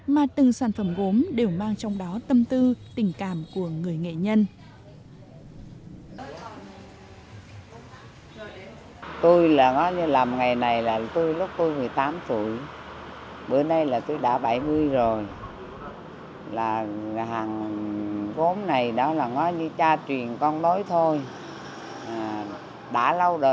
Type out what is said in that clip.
mà từng sản phẩm gốm đều mang trong đó tâm tư tình cảm của người nghệ nhân